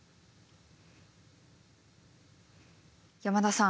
山田さん。